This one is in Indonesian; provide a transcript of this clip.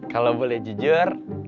kalau boleh jujur